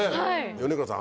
米倉さん